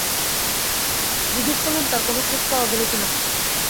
জিগ্যেস করলাম তার কোনো খোঁজ পাওয়া গেল কি না।